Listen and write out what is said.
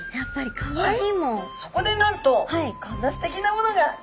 そこでなんとこんなすてきなものが。